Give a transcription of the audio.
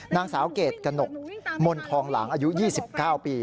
นางสาวเกรดกระหนกมนทองหลางอายุ๒๙ปี